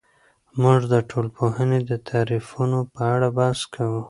موږ د ټولنپوهنې د تعریفونو په اړه بحث کوو.